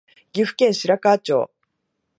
岐阜県白川町